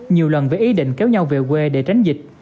nhiều lần với ý định kéo nhau về quê để tránh dịch